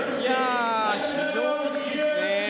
非常にいいですね。